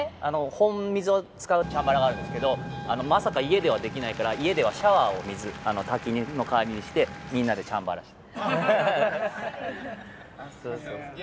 本水を使うチャンバラがあるんですけどまさか家ではできないから家ではシャワーを滝の代わりにしてみんなでチャンバラして。